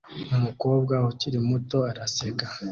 Umukobwa ukiri muto araseka